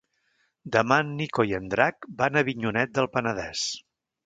Demà en Nico i en Drac van a Avinyonet del Penedès.